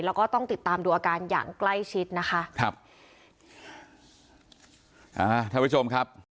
แล้วก็ต้องติดตามดูอาการอย่างใกล้ชิดนะคะ